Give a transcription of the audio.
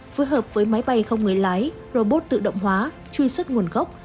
phối hợp với máy bay không người lái robot tự động hóa truy xuất nguồn gốc